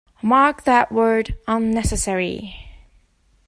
Mark that word "unnecessary".